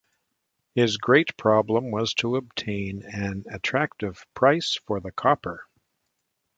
His great problem was to obtain an attractive price for the copper.